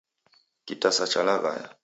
Kitasa chalaghaya